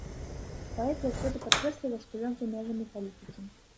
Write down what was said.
Паэт заўсёды падкрэсліваў, што ён за межамі палітыкі.